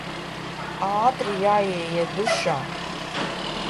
Ātri jāieiet dušā.